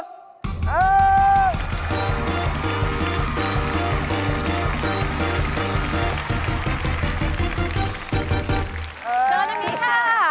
เจอแบบนี้ค่ะ